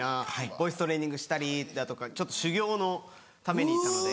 ボイストレーニングしたりだとか修行のために行ったので。